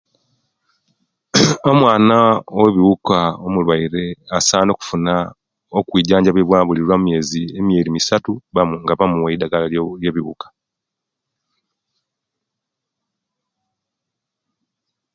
Omwana owebiwuka omulwaire asana okufuna okwijanjabibwa obuli lwa emweri misatu nga bamuwa eidagara rye'biwuka